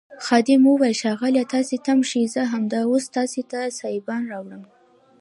خادم وویل ښاغلیه تاسي تم شئ زه همدا اوس تاسي ته سایبان راوړم.